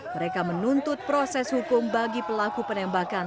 mereka menuntut proses hukum bagi pelaku penembakan